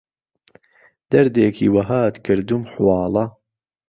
دهردێکی وههات کردوم حواڵه